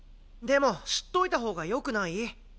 でも知っといた方がよくない？